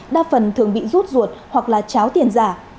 đa phần thường bị rút ruột hoặc là cháo tiền giả